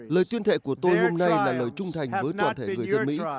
lời tuyên thệ của tôi hôm nay là lời trung thành với toàn thể người dân mỹ